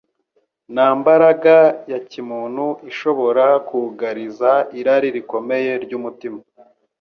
Nta mbaraga ya kimuntu ishobora kugariza irari rikomeye ry'umutima.